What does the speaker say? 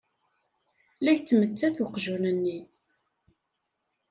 La yettmettat uqjun-nni.